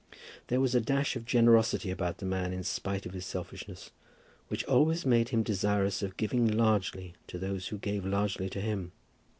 There was a dash of generosity about the man, in spite of his selfishness, which always made him desirous of giving largely to those who gave largely to him.